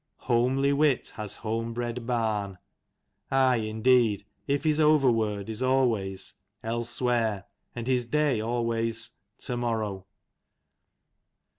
" Homely wit has home bred barn " aye, indeed, if his overword is always " Else where," and his day always " To morrow."